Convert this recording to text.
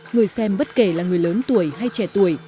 người xem bất kể là người lớn tuổi hay trẻ tuổi